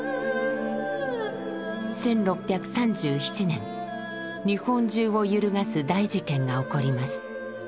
１６３７年日本中を揺るがす大事件が起こります。